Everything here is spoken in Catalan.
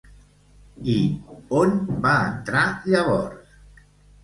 I on va entrar llavors?